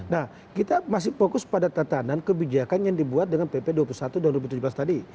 nah kita masih fokus pada tatanan kebijakan yang dibuat dengan pp dua puluh satu tahun dua ribu tujuh belas tadi